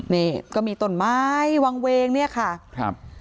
นี่ก็มีต้นไม้วางเวงเนี่ยค่ะครับ